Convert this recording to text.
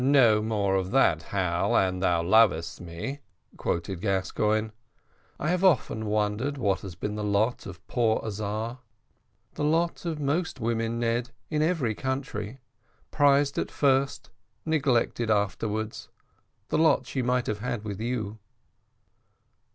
"`No more of that Hal, an thou lovest me,'" quoted Gascoigne. "I have often wondered what has been the lot of poor Azar." "The lot of most women, Ned, in every country prized at first, neglected afterwards the lot she might have had with you."